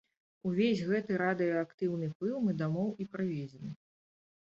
Увесь гэты радыеактыўны пыл мы дамоў і прывезлі.